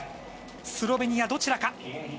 スロベニアどちらか。